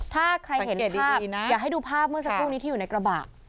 ถ้าใครเห็นภาพอยากให้ดูภาพเมื่อสักครู่นี้ที่อยู่ในกระบะ